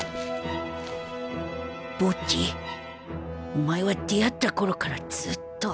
ボッジお前は出会ったころからずっと